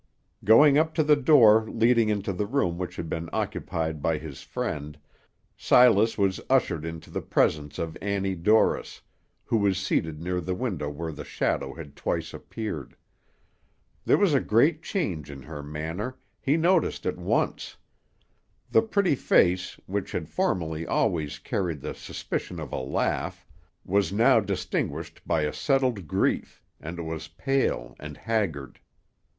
Going up to the door leading into the room which had been occupied by his friend, Silas was ushered into the presence of Annie Dorris, who was seated near the window where the shadow had twice appeared. There was a great change in her manner, he noticed at once; the pretty face, which had formerly always carried the suspicion of a laugh, was now distinguished by a settled grief, and it was pale and haggard.